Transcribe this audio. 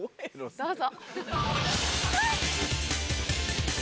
どうぞ。